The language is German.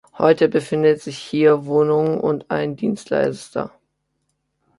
Heute befindet sich hier Wohnungen und ein Dienstleister.